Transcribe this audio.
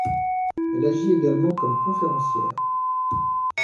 Elle agit également comme conférencière.